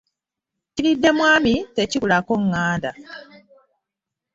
Kiridde bwami, tekibulako nganda.